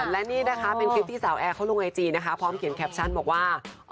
และนี่นะคะเป็นคลิปที่สาวแอร์เขาลงไอจีนะคะพร้อมเขียนแคปชั่นบอกว่า